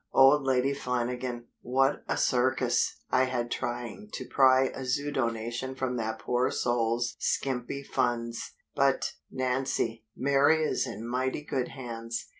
Old Lady Flanagan! What a circus I had trying to pry a zoo donation from that poor soul's skimpy funds! But, Nancy, Mary is in mighty good hands.